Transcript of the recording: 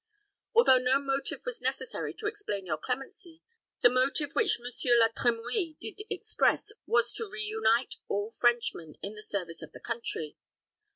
Although no motive was necessary to explain your clemency, the motive which Monsieur La Trimouille did express, was to reunite all Frenchmen in the service of the country.